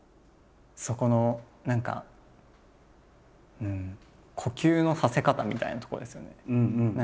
そこの何か呼吸のさせ方みたいなとこですよね。